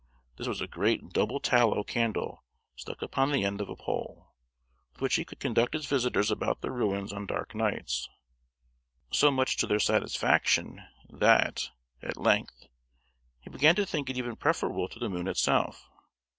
This was a great double tallow candle stuck upon the end of a pole, with which he could conduct his visitors about the ruins on dark nights, so much to their satisfaction that, at length, he began to think it even preferable to the moon itself.